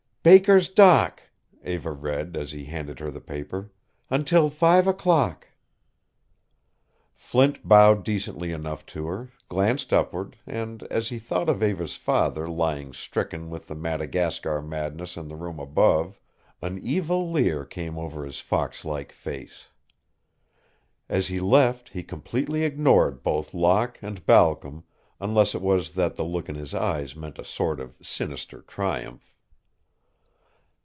"Baker's dock," Eva read, as he handed her the paper, "until five o'clock." Flint bowed decently enough to her, glanced upward, and, as he thought of Eva's father lying stricken with the Madagascar madness in the room above, an evil leer came over his fox like face. As he left he completely ignored both Locke and Balcom, unless it was that the look in his eyes meant a sort of sinister triumph.